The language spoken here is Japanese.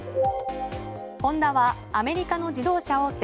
ホンダはアメリカの自動車大手